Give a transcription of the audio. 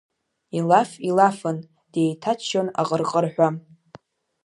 Илаф илафын, деиҭаччон аҟырҟырҳәа.